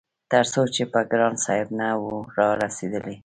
تر څو چې به ګران صاحب نه وو رارسيدلی-